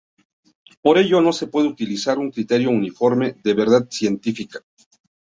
Por ello no se puede utilizar un criterio uniforme de verdad científica.